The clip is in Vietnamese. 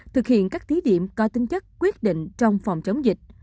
thực hiện các thí điểm có tính chất quyết định trong phòng chống dịch